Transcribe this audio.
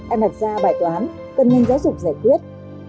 em đặt ra bài toán cần nhanh giáo dục giải quyết